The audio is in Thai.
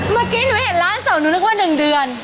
เมื่อกี้หนูเห็นล้านสองหนูนึกว่า๑เดือน